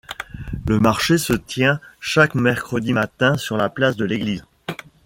Le marché se tient chaque mercredi matin, sur la place de l'Église.